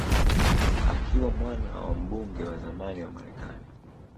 Akiwa mwana wa mbunge wa zamani wa Marekani